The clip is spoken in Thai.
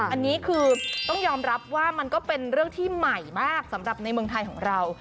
อันนี้คือต้องยอมรับว่ามันก็เป็นเรื่องที่ใหม่มากสำหรับในเมืองไทยของเรา